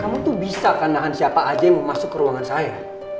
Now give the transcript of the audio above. kamu tuh bisa kanahan siapa aja yang mau masuk ke ruangan saya